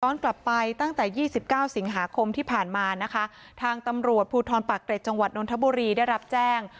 ตอนกลับไปตั้งแต่๒๙สิงหาคมที่ผ่านมาทางตำรวจภูทรปะเกร็จจังหวัดนทบุรีได้รับแจ้ง